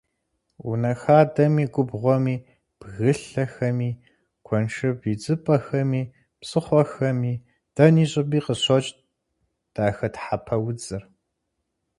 Унэ хадэми, губгъуэми, бгылъэхэми, куэншыб идзыпӏэхэми, псыхъуэхэми, дэнэ щӏыпӏи къыщокӏ дахэтхьэпэ удзыр.